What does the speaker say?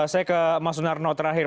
saya ke mas sunarno terakhir